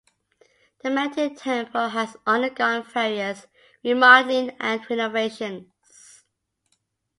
The Manti Temple has undergone various remodeling and renovations.